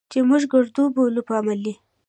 چې موږ ګړدود بولو، په علمي